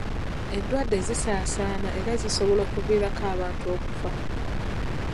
Endwadde zisaasaana era zisobola okuviirako abantu okufa.